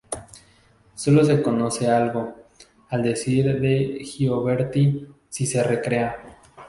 Sólo se conoce algo, al decir de Gioberti, si se recrea.